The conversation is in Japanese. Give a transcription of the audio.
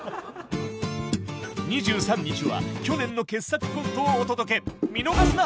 ２３日は去年の傑作コントをお届け見逃すな！